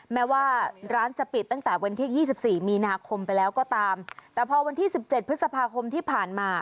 แม้ว่าร้านจะปิดตั้งแต่วันที่ยี่สิบสี่มีนาคมไปแล้วก็ตามแต่พอวันที่สิบเจ็ดพฤษภาคมที่ผ่านมา